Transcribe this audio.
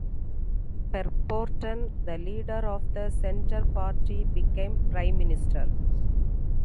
Per Borten, the leader of the Centre Party, became Prime Minister.